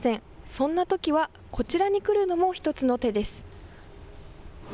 そんなときはこちらに来るのも１つの手です。